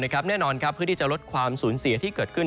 แน่นอนครับเพื่อที่จะลดความสูญเสียที่เกิดขึ้น